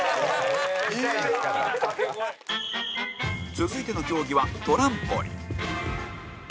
続いての競技はトランポリン